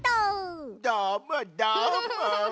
どーもどーも。